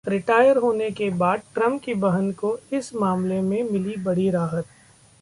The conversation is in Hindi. रिटायर होने के बाद ट्रंप की बहन को इस मामले में मिली बड़ी राहत